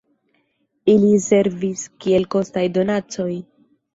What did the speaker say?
Ili servis kiel kostaj donacoj.